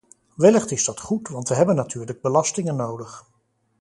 Wellicht is dat goed, want we hebben natuurlijk belastingen nodig.